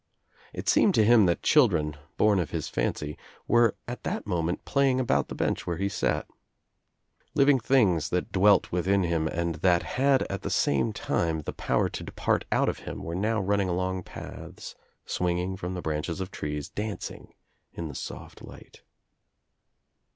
It seemed to him that children, born of his fancy, were at that very moment playing about the bench where he sat. Living things that dwelt within him and that had at the same time the power J to depart out of him were now running along paths,, swinging from the branches of trees, dancing in tbt soft light.